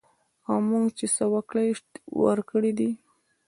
او موږ چې څه ورکړي دي